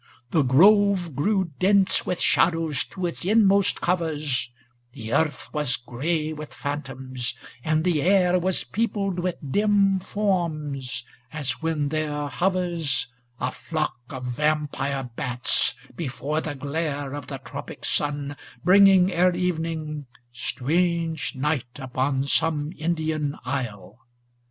The grove ' Grew dense with shadows to the inmost covers; 481 The earth was gray with phantoms; and the air Was peopled with dim forms, as when there hovers * A flock of vampire bats before the glare Of the tropic sun, bringing, ere evening, Strange night upon some Indian isle.